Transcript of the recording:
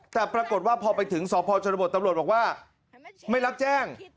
แต่ปรากฏว่าพอไปถึงสพชนบทตำรวจบอกว่าไม่รับแจ้ง